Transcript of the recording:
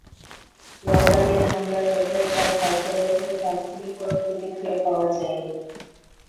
লগারের হামলার ব্যাপারে তাঁর কার্যালয় থেকে তাৎক্ষণিক কোনো প্রতিক্রিয়া পাওয়া যায়নি।